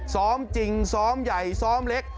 ซ้อมจริงซ้อมใหญ่ซ้อมเล็ก